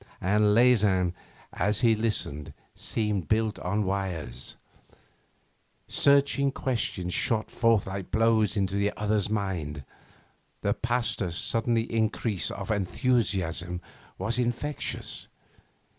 And Leysin, as he listened, seemed built on wires. Searching questions shot forth like blows into the other's mind. The Pasteur's sudden increase of enthusiasm was infectious.